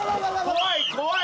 怖い怖い。